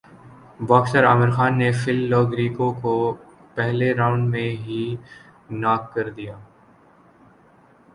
boxer Aamir Khan نے Phil Lo Greco کو پہلےرانڈ میں ہی ناک کر دیا